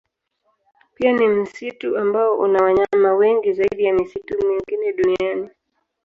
Pia ni msitu ambao una wanyama wengi zaidi ya misitu mingine duniani.